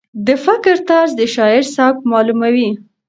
د فکر طرز د شاعر سبک معلوموي.